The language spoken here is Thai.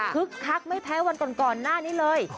คักไม่แพ้วันก่อนหน้านี้เลย